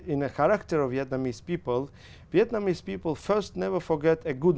anh đã ở việt nam bao lâu rồi